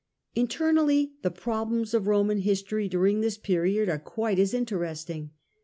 Internally the problems of Roman history during this period are quite as interesting.